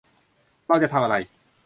เราจะทำอะไร